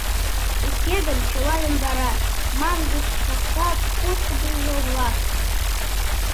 Уке гын, чыла йомдара, — мангыч шоктат пошкудыжо-влак.